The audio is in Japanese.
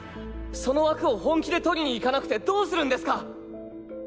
その枠を本気で取りに行かなくてどうするんですか！